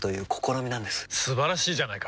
素晴らしいじゃないか！